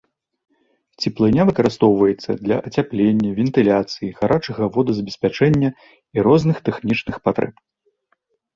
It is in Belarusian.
Цеплыня выкарыстоўваецца для ацяплення, вентыляцыі, гарачага водазабеспячэння і розных тэхнічных патрэб.